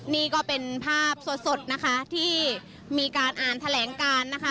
นี่ก็เป็นภาพสดนะคะที่มีการอ่านแถลงการนะคะ